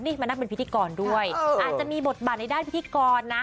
นี่มานั่งเป็นพิธีกรด้วยอาจจะมีบทบาทในด้านพิธีกรนะ